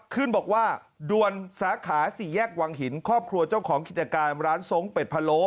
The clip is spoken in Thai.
ขึ้นบอกว่าด่วนสาขาสี่แยกวังหินครอบครัวเจ้าของกิจการร้านทรงเป็ดพะโล้